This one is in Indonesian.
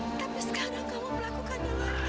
tapi sekarang kamu melakukan